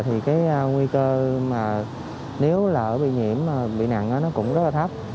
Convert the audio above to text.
thì cái nguy cơ nếu là bị nhiễm bị nặng nó cũng rất là thấp